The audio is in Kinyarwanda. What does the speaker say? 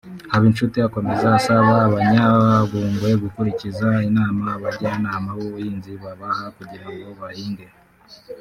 Habinshuti akomeza asaba Abanyabungwe gukurikiza inama abajyanama b’ubuhinzi babaha kugira ngo bahinge